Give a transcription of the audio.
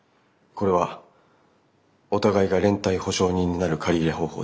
これはお互いが連帯保証人になる借り入れ方法です。